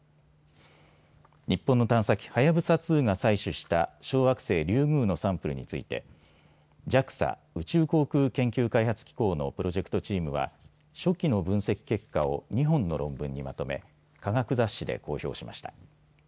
日本の探査機、はやぶさ２が採取した小惑星、リュウグウのサンプルについてＪＡＸＡ・宇宙航空研究開発機構のプロジェクトチームは初期の分析結果を２本の論文にまとめ科学雑誌で公表しました。